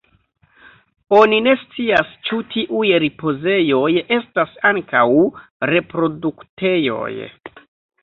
Oni ne scias ĉu tiuj ripozejoj estas ankaŭ reproduktejoj.